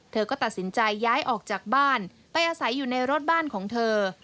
เธอก็ตัดสินใจย้ายออกจากบ้านไปอาศัยอยู่ในรถบ้านของเธอ